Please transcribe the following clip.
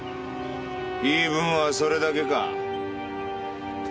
言い分はそれだけか？